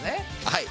はい。